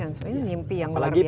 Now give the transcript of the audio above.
sebenarnya mimpi yang luar biasa